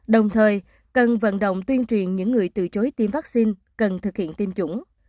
đồng thời cần vận động tuyên truyền những người từ chối tiêm vaccine cần thực hiện tiêm chủng